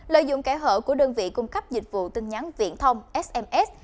lợi dụng kẻ hở của đơn vị cung cấp dịch vụ tin nhắn viễn thông sms